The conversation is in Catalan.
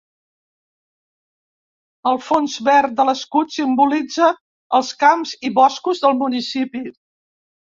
El fons verd de l'escut simbolitza els camps i boscos del municipi.